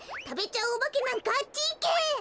たべちゃうおばけなんかあっちいけ！